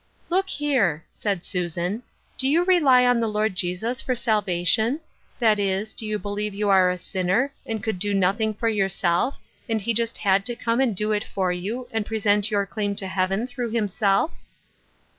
" Look here," said Susan. " Do you rely on the Lord Jesus for salvation ? That is, do you believe you are a sinner, and could do nothing for yourself, and he just had to come and do it for you, and present your claim to Heaven through himself